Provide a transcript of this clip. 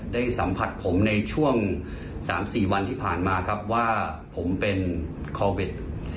ได้สัมผัสผมในช่วง๓๔วันที่ผ่านมาครับว่าผมเป็นโควิด๑๙